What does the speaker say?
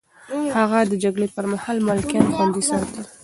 هغه د جګړې پر مهال ملکيان خوندي ساتل.